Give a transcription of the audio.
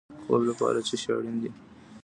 د خوب لپاره څه شی اړین دی؟